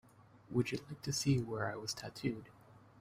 Would you like to see where I was tattooed?